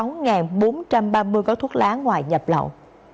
sáu bốn trăm ba mươi gói thuốc lá ngoại nhập lậu